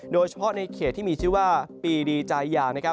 โดยเฉพาะในเขตที่มีชื่อว่าปีดีจายา